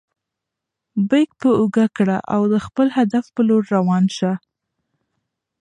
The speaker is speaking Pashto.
بیک په اوږه کړه او د خپل هدف په لور روان شه.